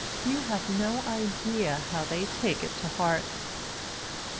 You have no idea how they take it to heart.